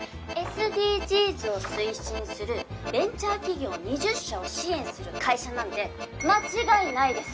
ＳＤＧｓを推進するベンチャー企業２０社を支援する会社なんで間違いないです。